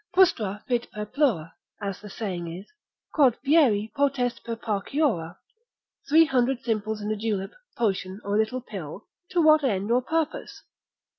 Frustra fit per plura (as the saying is) quod fieri potest per pauciora; 300 simples in a julep, potion, or a little pill, to what end or purpose?